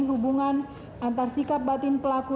hubungan antar sikap batin pelaku